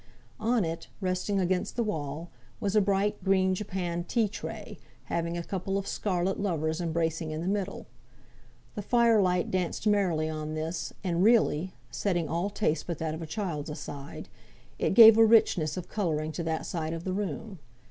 On it, resting against the wall, was a bright green japanned tea tray, having a couple of scarlet lovers embracing in the middle. The fire light danced merrily on this, and really (setting all taste but that of a child's aside) it gave a richness of colouring to that side of the room.